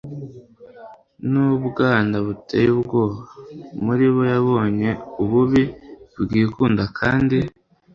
n'ubwana buteye ubwoba. muri bo yabonye ububi, kwikunda kandi